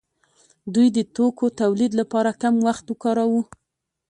دوی د توکو تولید لپاره کم وخت ورکاوه.